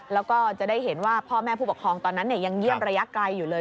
แล้วก็จะได้เห็นว่าพ่อแม่ผู้ปกครองตอนนั้นยังเยี่ยมระยะไกลอยู่เลย